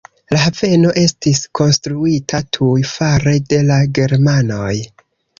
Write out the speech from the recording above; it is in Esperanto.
La haveno estis konstruita tuj fare de la germanoj.